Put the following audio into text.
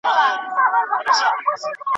د فساد پر وړاندي مبارزه یوازي په شعارونو نه کیږي.